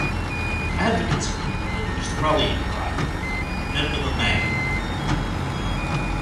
Advocates of the war used the rallying cry, "Remember the "Maine!